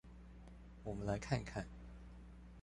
我們來看看